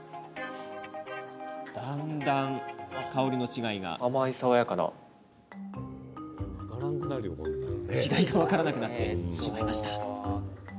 だんだん香りの違いが分からなくなってしまうんです。